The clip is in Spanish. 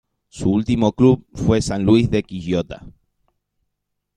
Su último club fue San Luis de Quillota.